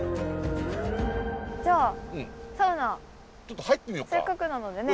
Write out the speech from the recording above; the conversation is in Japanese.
じゃあサウナせっかくなのでね。